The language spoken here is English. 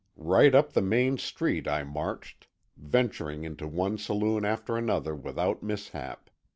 Right up the main street I marched, venturing into one saloon after another without mishap.